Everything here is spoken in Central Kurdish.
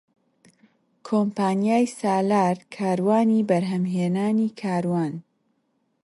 کۆمپانیای سالار کاروانی بەرهەمهێنانی کاروان